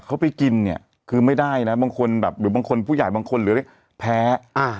เขาไปกินเนี่ยคือไม่ได้นะบางคนแบบหรือบางคนผู้ใหญ่บางคนหรือเรียกแพ้